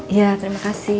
iya terima kasih